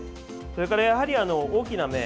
それから、やはり大きな目。